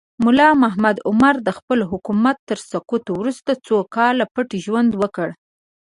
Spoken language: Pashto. ملا محمد عمر د خپل حکومت تر سقوط وروسته څو کاله پټ ژوند وکړ.